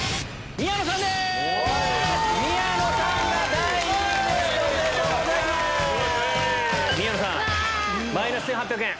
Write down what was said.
宮野さんマイナス１８００円。